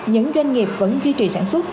những doanh nghiệp vẫn duy trì sản xuất